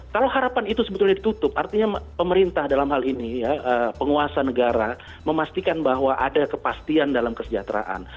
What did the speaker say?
kalau harapan itu sebetulnya ditutup artinya pemerintah dalam hal ini ya penguasa negara memastikan bahwa ada kepastian dalam kesejahteraan